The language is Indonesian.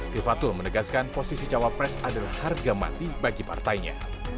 tifatul menegaskan posisi cawapres adalah harga mati bagi partainya